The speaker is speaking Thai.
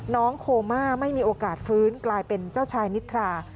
โคม่าไม่มีโอกาสฟื้นกลายเป็นเจ้าชายนิทรา